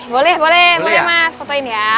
boleh boleh mas fotoin ya